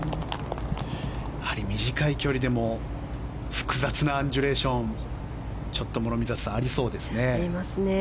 短い距離でも複雑なアンジュレーションがちょっと、諸見里さんありそうですね。ありますね。